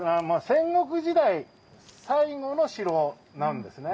戦国時代の最後の城なんですね。